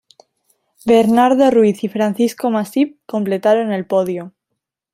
Bernardo Ruiz y Francisco Masip completaron el podio.